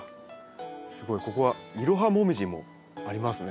すごいここはイロハモミジもありますね。